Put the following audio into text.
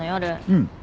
うん。